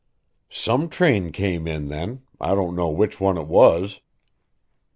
"Some train came in then I don't know which one it was."